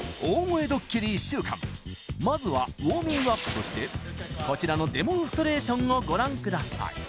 まずはウォーミングアップとしてこちらのデモンストレーションをご覧ください